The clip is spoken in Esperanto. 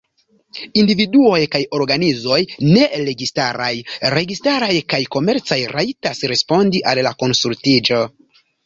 Individuoj kaj organizoj neregistaraj, registaraj kaj komercaj rajtas respondi al la konsultiĝo.